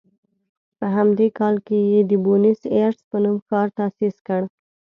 په همدې کال یې د بونیس ایرس په نوم ښار تاسیس کړ.